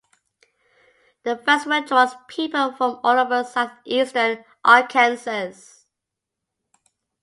The festival draws people from all over southeastern Arkansas.